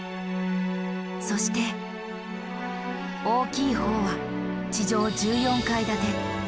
そして大きい方は地上１４階建て。